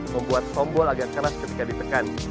membuat tombol agar keras ketika ditekan